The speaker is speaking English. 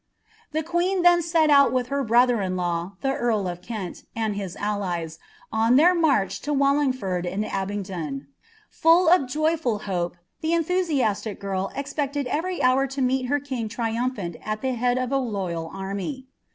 The queen then set out with her brotber^iMaw. fa turl of Kent, and his allies, on their march lo Wallingfoni ami Almgilt. Full of jiiyful hope, the entbusiasiic girl etpected every ktiut U ami her king triauiplisnt at the head uf a loyal nrmy.